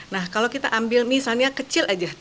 nah kalau kita ambil misalnya kecil aja